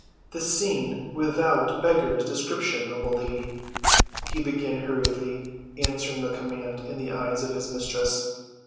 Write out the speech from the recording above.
"The scene without beggars description, noble lady," he began hurriedly, answering the command in the eyes of his mistress.